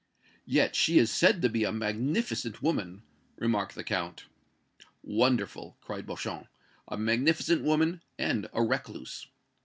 "Yet she is said to be a magnificent woman," remarked the Count. "Wonderful!" cried Beauchamp. "A magnificent woman and a recluse!"